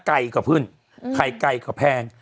ไก่ก็ขึ้นไข่ไก่ก็แพง